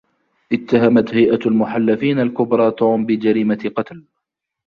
إتهمت هيئة المحلفين الكبرى توم بجريمة قتل.